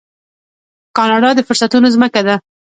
کاناډا د فرصتونو ځمکه ده.